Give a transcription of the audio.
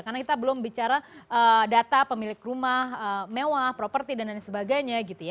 karena kita belum bicara data pemilik rumah mewah properti dan lain sebagainya